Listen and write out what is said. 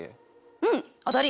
うん当たり！